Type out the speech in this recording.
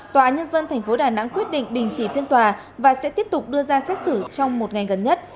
tòa án nhân dân thành phố đà nẵng quyết định đình chỉ phiên tòa và sẽ tiếp tục đưa ra xét xử trong một ngày gần nhất